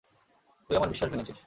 তুই আমার বিশ্বাস ভেঙেছিস।